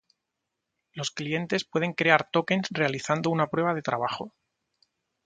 Los clientes pueden crear tokens realizando una prueba de trabajo.